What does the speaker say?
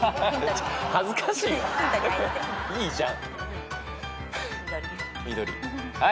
いいじゃん。